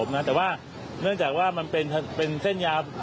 เนื่องจากว่ามันเป็นเส้นยาล์